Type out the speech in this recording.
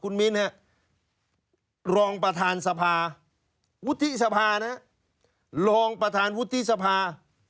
ลองประธานสภาวุฒิสภานะลองประธานวุฒิสภา